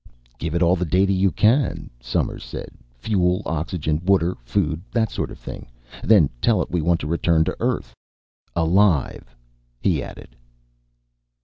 "Give it all the data you can," Somers said. "Fuel, oxygen, water, food that sort of thing. Then tell it we want to return to Earth. Alive," he added.